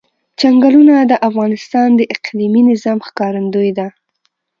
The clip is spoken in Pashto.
چنګلونه د افغانستان د اقلیمي نظام ښکارندوی ده.